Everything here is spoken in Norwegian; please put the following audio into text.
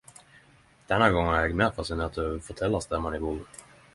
Denne gongen er eg meir fascinert over forteljarstemma i boka.